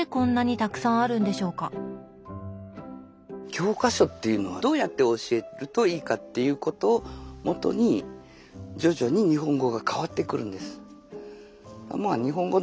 教科書っていうのはどうやって教えるといいかっていうことをもとに徐々に日本語が変わってくるんです。